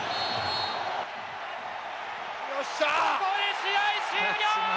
ここで試合終了！